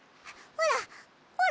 ほら！